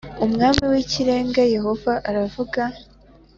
Umwami w ikirenga yehova aravuga